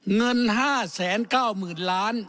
เงิน๕๙๐๐๐๐ล้าน